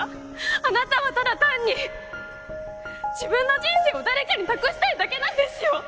あなたはただ単に自分の人生を誰かに託したいだけなんですよ！